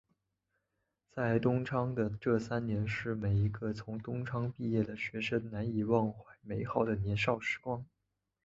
在东昌的这三年是每一个从东昌毕业的学生难以忘怀美好的年少时光。